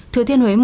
thừa thiên huế một